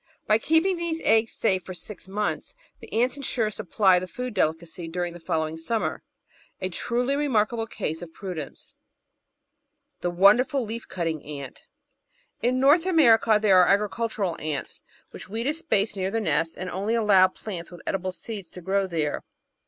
By keeping these eggs safe for six months the ants ensure a supply of the food delicacy during the following smnmer — ^a truly remarkable case of prudence I The Wonderful Leaf cutting Ant In North America there are "agricultural ants" which weed a space near the nest and only allow plants with edible seeds to grow there.